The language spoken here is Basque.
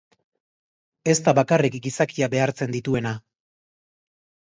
Ez da bakarrik gizakia behartzen dituena.